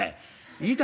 いいか？